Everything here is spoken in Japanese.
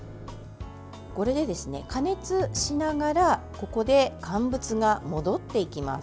これでですね、加熱しながらここで乾物が戻っていきます。